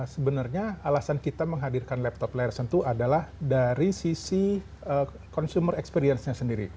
sebenarnya alasan kita menghadirkan laptop layar sentuh adalah dari sisi consumer experience nya sendiri